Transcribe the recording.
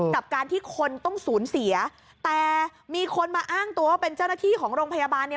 กับการที่คนต้องสูญเสียแต่มีคนมาอ้างตัวว่าเป็นเจ้าหน้าที่ของโรงพยาบาลเนี่ย